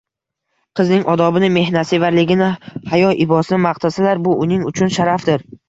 Qizning odobini, mehnatsevarligini, hayo-ibosini maqtasalar, bu uning uchun sharafdir.